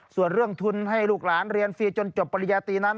ส่วนเรื่องทุนให้ลูกหลานเรียนฟรีจนจบปริญญาตรีนั้น